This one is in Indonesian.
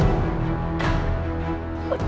tidak dia menangis